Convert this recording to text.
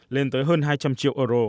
lên tới hơn hai trăm linh triệu